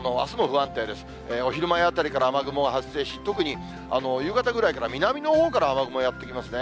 お昼前あたりから雨雲発生し、特に夕方ぐらいから南のほうから雨雲やって来ますね。